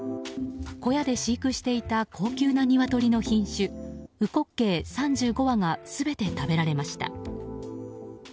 小屋で飼育していた高級なニワトリの品種ウコッケイ３５羽が全て食べられました。